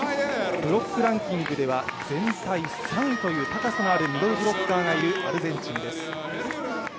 ブロックランキングでは３位という高さのあるミドルブロッカーのいるアルゼンチンです。